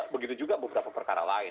begitu juga beberapa perkara lain